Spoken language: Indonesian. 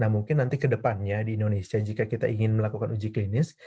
nah mungkin nanti ke depannya di indonesia jika kita ingin melakukan uji klinis